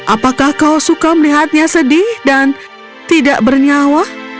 apakah kau suka melihatnya sedih dan tidak bernyawa